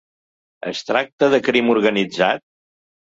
Es tracta de crim organitzat?